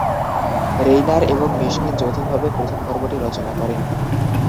Reiner এবং Mishkin যৌথভাবে প্রথম পর্বটি রচনা করেন।